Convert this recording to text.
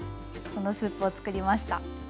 そのスープを作りました。